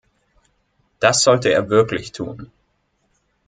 Das sollte er wirklich tun.